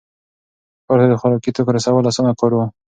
ښار ته د خوراکي توکو رسول اسانه کار و.